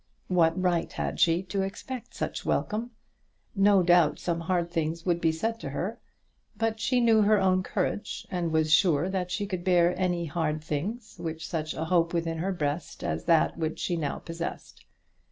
What right had she to expect such welcome? No doubt some hard things would be said to her; but she knew her own courage, and was sure that she could bear any hard things with such a hope within her breast as that which she now possessed.